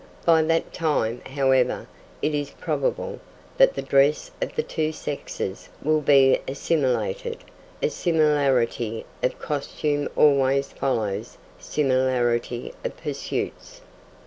By that time, however, it is probable that the dress of the two sexes will be assimilated, as similarity of costume always follows similarity of pursuits.